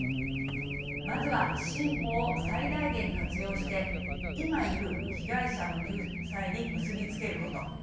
まずは、新法を最大限活用して今いる被害者の救済に結び付けること。